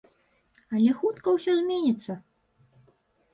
Але хутка ўсё зменіцца.